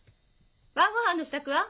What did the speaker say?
晩ごはんの支度は？